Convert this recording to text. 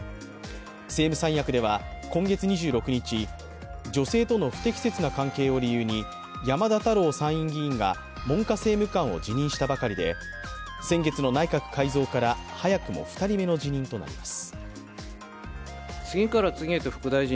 政務三役では今月２６日、女性との不適切な関係を理由に山田太郎参院議員が文科政務官を辞任したばかりで先月の内閣改造から、早くも２人目の辞任となります。